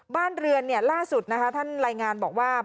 บ้านเรือนล่าสุดนะคะท่านรายงานบอกว่า